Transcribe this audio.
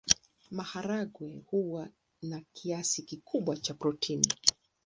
Maharagwe huwa na kiasi kikubwa cha protini.